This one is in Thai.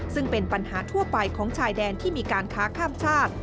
ซึ่งเป็นปัญหาทั่วไปของชายแดนที่มีการค้าข้ามชาติ